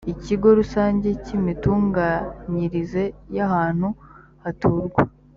ikigo rusange cy’imitunganyirize y‘ahantu haturwa